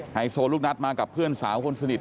ไฮโซลูกนัดมากับเพื่อนสาวคนสนิท